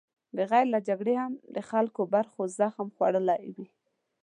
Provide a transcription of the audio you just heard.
بغیر له جګړې هم د خلکو برخو زخم خوړلی وي.